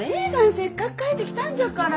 せっかく帰ってきたんじゃから。